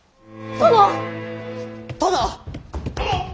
殿！